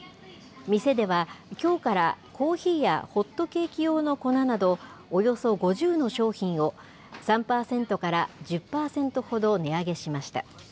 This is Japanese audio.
店ではきょうからコーヒーやホットケーキ用の粉など、およそ５０の商品を３％から１０％ほど値上げしました。